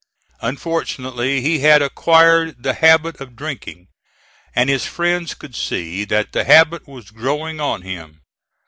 Unfortunately he had acquired the habit of drinking, and his friends could see that the habit was growing on him.